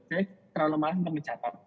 saya terlalu malas untuk mencatat